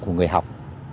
của người học